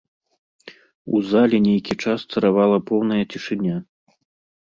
У залі нейкі час царавала поўная цішыня.